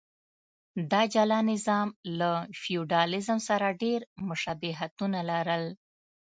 دا جلا نظام له فیوډالېزم سره ډېر مشابهتونه لرل.